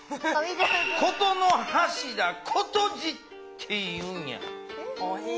箏の柱「箏柱」っていうんや。